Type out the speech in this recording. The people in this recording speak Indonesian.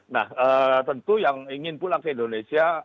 nah tentu yang ingin pulang ke indonesia